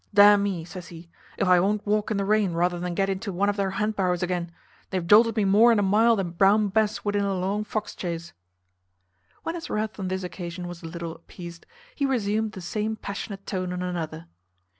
"D n me," says he, "if I won't walk in the rain rather than get into one of their hand barrows again. They have jolted me more in a mile than Brown Bess would in a long fox chase." When his wrath on this occasion was a little appeased, he resumed the same passionate tone on another.